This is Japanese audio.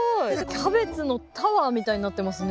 キャベツのタワーみたいになってますね。